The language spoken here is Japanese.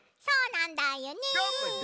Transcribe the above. そうなんだよね。